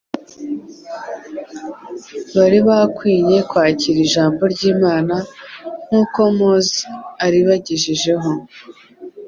Bari bakwinye kwakira Ijambo ry'Imana nkuko Mose aribagejejeho.